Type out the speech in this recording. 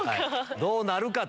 どうなるかと。